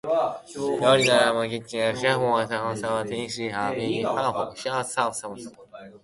料理の香りが漂うキッチンで、シェフは慎重に食材を調理している。その手つきには熟練の技術と情熱が感じられ、料理が芸術のように生まれ変わっていく。